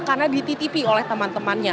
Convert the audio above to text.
karena dititipi oleh teman temannya